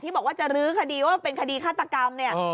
บอกว่าจะรื้อคดีว่าเป็นคดีฆาตกรรมเนี่ย